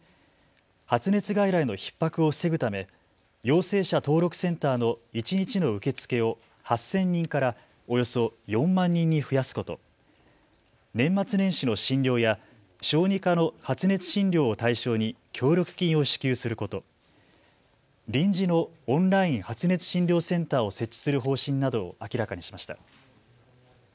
発熱外来のひっ迫を防ぐため陽性者登録センターの一日の受け付けを８０００人からおよそ４万人に増やすこと、年末年始の診療や小児科の発熱診療を対象に協力金を支給すること、臨時のオンライン発熱診療センターを設置する方針などを明らかにしました。